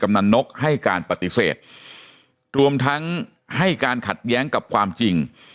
นำนกให้การปฏิเสธรวมทั้งให้การขัดแย้งกับความจริง